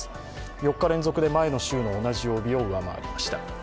４日連続で前の週の同じ曜日を上回りました。